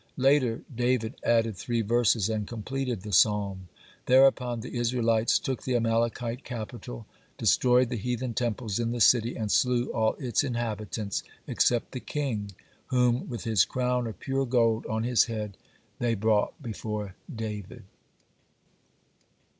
Later David added three verses and completed the Psalm. Thereupon the Israelites took the Amalekite capital, destroyed the heathen temples in the city, and slew all its inhabitants, except the king, whom, with his crown of pure gold on his head, they brought before David.